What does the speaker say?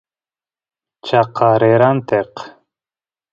chaqa rera ranteq